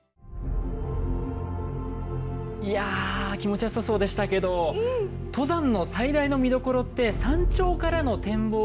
いや気持ちよさそうでしたけど登山の最大の見どころって山頂からの展望ですよね。